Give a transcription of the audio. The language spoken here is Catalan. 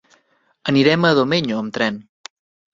Anirem a Domenyo amb tren.